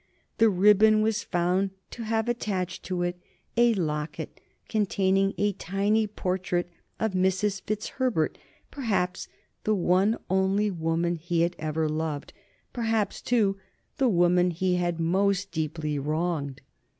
The ribbon was found to have attached to it a locket containing a tiny portrait of Mrs. Fitzherbert, perhaps the one only woman he had ever loved, perhaps, too, the woman he had most deeply wronged.